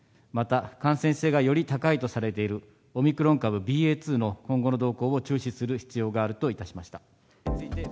また、感染性がより高いとされているオミクロン株ＢＡ．２の今後の動向を注視する必要があるといたしました。